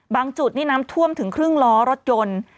จุดนี่น้ำท่วมถึงครึ่งล้อรถยนต์